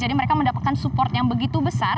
jadi mereka mendapatkan support yang begitu besar